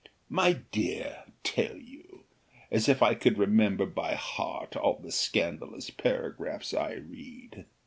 "My dear! tell you! as if I could remember by heart all the scandalous paragraphs I read."